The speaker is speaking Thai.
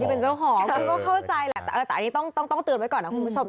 ไม่เข้าใจแหละแต่อันนี้ต้องเตือนไว้ก่อนนะคุณผู้ชม